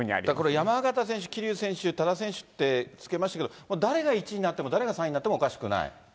山縣選手、桐生選手、多田選手ってつけましたけれども、誰が１位になっても、誰が３位になってもおかしくない。